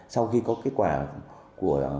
sau khi có kết quả của